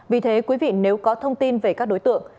vì thế quý vị nếu có thông tin về các đối tượng